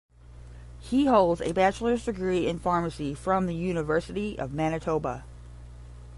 He holds a bachelor's degree in pharmacy from the University of Manitoba.